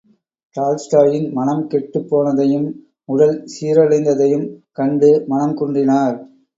டால்ஸ்டாயின் மனம் கெட்டுப் போனதையும் உடல் சீரழிந்ததையும் கண்டு மனம் குன்றினார்!